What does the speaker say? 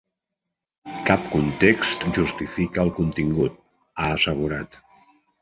Cap context justifica el contingut, ha assegurat.